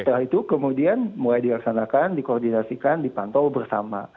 setelah itu kemudian mulai dilaksanakan dikoordinasikan dipantau bersama